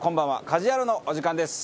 『家事ヤロウ！！！』のお時間です。